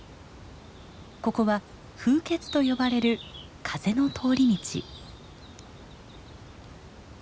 ここは「風穴」と呼ばれる風の通り道。